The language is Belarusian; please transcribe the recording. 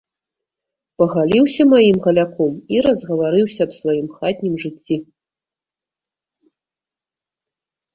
Пагаліўся маім галяком і разгаварыўся аб сваім хатнім жыцці.